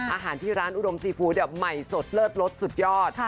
อาหารที่ร้านอุดมซีฟู้ดใหม่สดเลิศรสสุดยอด